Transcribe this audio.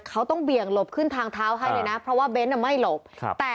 เขาต้องเบี่ยงลบขึ้นทางเท้าให้เลยน่ะเพราะว่า